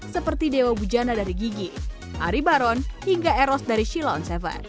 seperti dewa bujana dari gigi ari baron hingga eros dari shilon tujuh